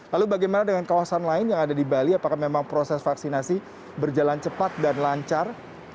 lalu bagaimana dengan kawasan lain yang ada di bali apakah memang proses vaksinasi berjalan cepat dan lancar